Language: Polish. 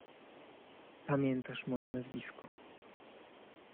"pamiętasz moje nazwisko!"